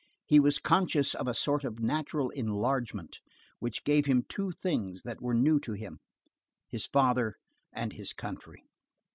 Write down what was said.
He was conscious of a sort of natural enlargement, which gave him two things that were new to him—his father and his country.